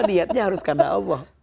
niatnya harus karena allah